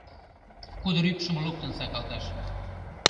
Кудыр ӱпшым луктын сакалташ.